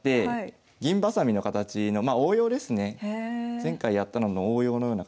前回やったのの応用のような形で。